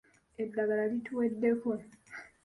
Eddagala lituweddeko.